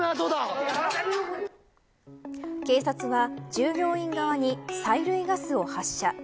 警察が従業員側に催涙ガスを発射。